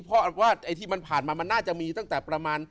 เพราะว่าไอ้ที่มันผ่านมามันน่าจะมีตั้งแต่ประมาณ